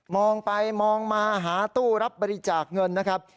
องไปมองมาหาตู้รับบริจาคเงินนะครับ